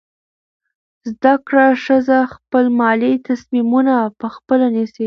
زده کړه ښځه خپل مالي تصمیمونه پخپله نیسي.